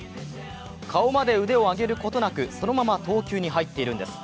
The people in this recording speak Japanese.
顔まで腕を上げることなくそのまま投球に入っているんです。